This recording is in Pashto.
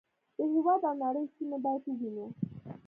د هېواد او نړۍ سیمې باید ووینو.